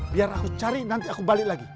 biar aku cari nanti aku balik lagi